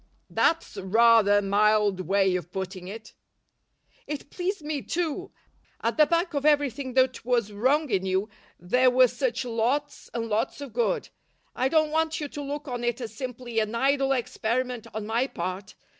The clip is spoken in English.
"That's rather a mild way of putting it." "It pleased me too. At the back of everything that was wrong in you there were such lots and lots of good. I don't want you to look on it as simply an idle experiment on my part.